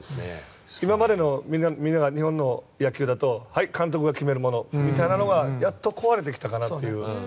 今までの日本の野球だと監督が決めるものっていうのがやっと壊れてきたかなという。